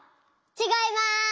ちがいます。